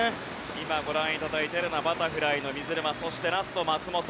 今ご覧いただいているのはバタフライの水沼そしてラスト、松元。